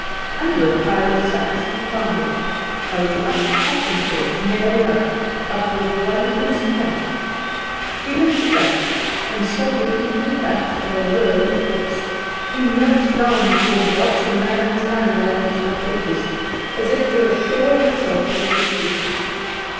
Under a pile of sacks he found it a rough packing case, nailed up, but with one loose plank. He lifted that, and saw the even backs of a row of books. He knelt down before the box, and ran his hand along its rough edges, as if to assure himself of its existence.